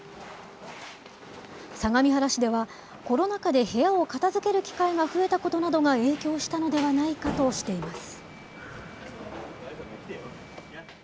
相模原市では、コロナ禍で部屋を片づける機会が増えたことなどが影響したのではないかとしています。